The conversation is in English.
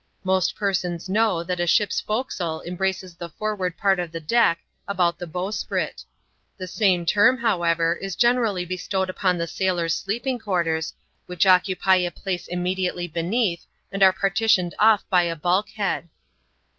Most persons know that a ship's forecastle embraces the forward part of the deck about the bowsprit : the same term, however, is generally bestowed upon the sailors' sleeping quar ters, which occupy a space immediately beneath^ and are par titioned off by a bulkhead.